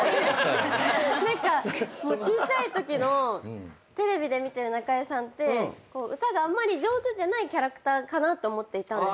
ちいちゃいときのテレビで見てる中居さんって歌があんまり上手じゃないキャラクターかなって思っていたんです。